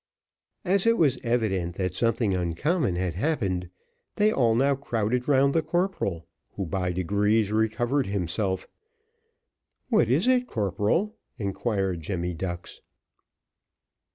As it was evident that something uncommon had happened, they all now crowded round the corporal, who, by degrees, recovered himself. "What is it, corporal?" inquired Jemmy Ducks.